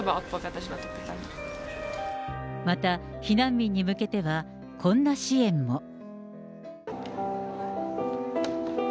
また避難民に向けては、こんな支援も。